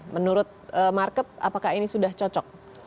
menurut market apakah ini sudah cocok